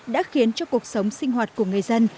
đã khiến cho cuộc sống sinh hoạt của người dân